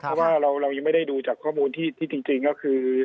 เพราะว่าเรายังไม่ได้ดูจากข้อมูลที่จริงก็คือ